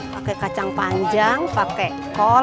pakai kacang panjang pakai kol